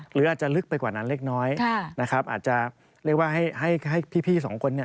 หรืออาจจะลึกไปกว่านั้นเล็กน้อยอาจจะให้พี่สองคน